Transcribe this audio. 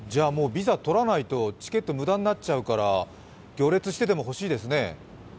ビザ取らないと、チケット無駄になっちゃうから、行列してでも欲しいですね。